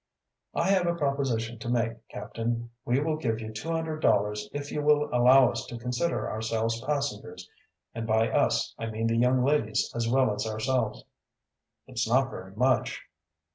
"I have a proposition to make, captain. We will give you two hundred dollars if you will allow us to consider ourselves passengers. And by 'us' I mean the young ladies as well as ourselves." "It's not very much."